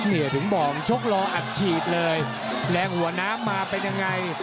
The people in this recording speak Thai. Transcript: เนี่ยถึงบอกชกรออัดฉีดเลยแรงหัวน้ำมาเป็นยังไง